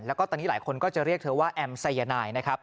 แล้วก็ตอนนี้หลายคนก็จะเรียกเธอว่าแอมไซยานายนะครับ